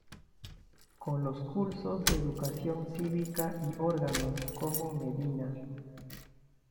Con los cursos de Educación cívica y órganos como Medina.